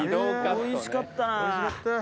おいしかった。